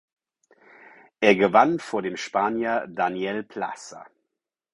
Er gewann vor dem Spanier Daniel Plaza.